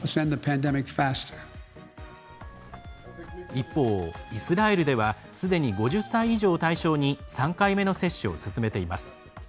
一方、イスラエルではすでに５０歳以上を対象に３回目の接種を進めています。